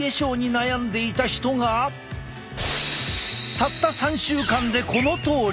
たった３週間でこのとおり！